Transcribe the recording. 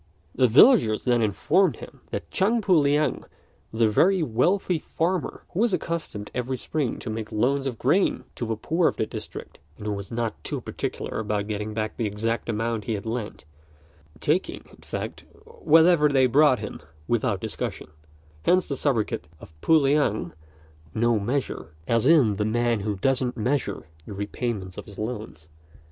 The villagers then informed him that Chang Pu liang was a very wealthy farmer, who was accustomed every spring to make loans of grain to the poor of the district, and who was not too particular about getting back the exact amount he had lent, taking, in fact, whatever they brought him without discussion; hence the sobriquet of pu liang "no measure" (i.e., the man who doesn't measure the repayments of his loans).